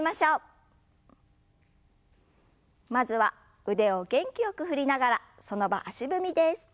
まずは腕を元気よく振りながらその場足踏みです。